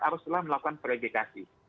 harus setelah melakukan verifikasi